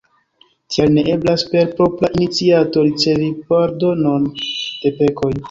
Tial ne eblas per propra iniciato ricevi pardonon de pekoj.